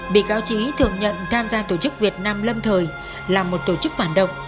bị cáo trí thừa nhận tham gia tổ chức việt nam lâm thời là một tổ chức phản động